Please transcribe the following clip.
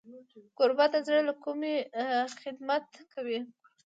کوربه د زړه له کومي خدمت کوي.